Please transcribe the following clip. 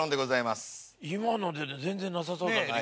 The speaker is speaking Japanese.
今ので全然なさそうだけど。